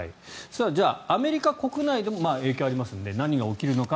じゃあ、アメリカ国内でも影響がありますので何が起きるのか。